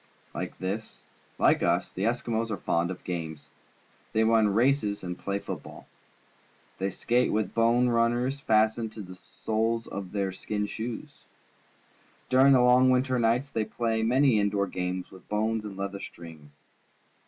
Like us, the Eskimos are fond of games. They run races and play football. Thej^ skate with bone runners fastened to the A Polar Bear soles of their skin shoes. During the long winter nights they play many in door games with bones and leather strings.